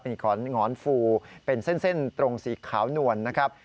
เป็นอีกของหงอนฟูเป็นเส้นตรงสีขาวนวลนะครับ